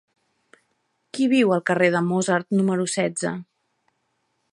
Qui viu al carrer de Mozart número setze?